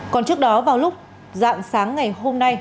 còn trước đó vào lúc dạng sáng ngày hôm nay